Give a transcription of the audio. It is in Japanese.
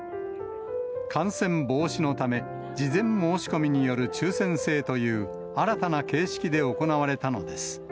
感染防止のため、事前申し込みによる抽せん制という、新たな形式で行われたのです。